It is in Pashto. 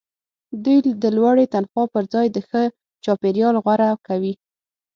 دوی د لوړې تنخوا پرځای د ښه چاپیریال غوره کوي